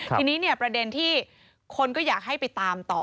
ทีนี้เนี่ยประเด็นที่คนก็อยากให้ไปตามต่อ